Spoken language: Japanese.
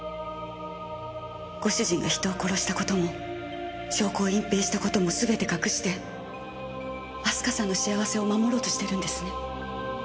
ご主人が人を殺した事も証拠を隠蔽した事もすべて隠して明日香さんの幸せを守ろうとしてるんですね。